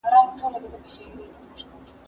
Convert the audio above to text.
زه پرون سبزېجات جمع کوم!!